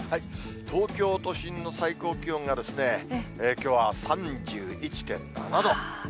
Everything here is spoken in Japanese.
東京都心の最高気温がきょうは３１．７度。